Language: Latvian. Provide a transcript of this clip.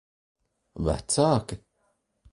Vecāki?